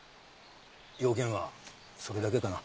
用件はそれだけかな？